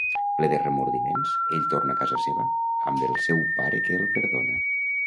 Ple de remordiments, ell torna a casa seva, amb el seu pare que el perdona.